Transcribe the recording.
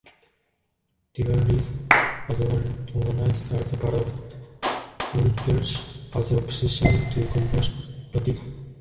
Liberalism was organized as a part of the oligarchy as the opposition to conservatism.